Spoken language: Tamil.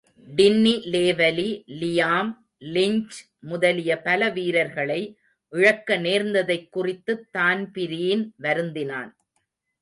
டின்னி லேவலி, லியாம் லிஞ்ச் முதலிய பல வீரர்களை இழக்க நேர்ந்ததைக் குறித்துத் தான்பிரீன் வருந்தினான்.